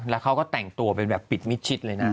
แล้วเขาก็แต่งตัวเป็นแบบปิดมิดชิดเลยนะ